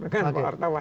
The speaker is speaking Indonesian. kan pak wartawan